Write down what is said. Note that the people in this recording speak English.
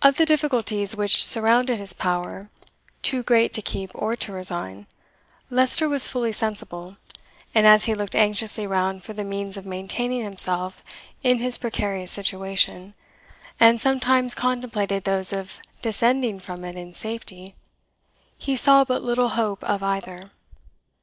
Of the difficulties which surrounded his power, "too great to keep or to resign," Leicester was fully sensible; and as he looked anxiously round for the means of maintaining himself in his precarious situation, and sometimes contemplated those of descending from it in safety, he saw but little hope of either.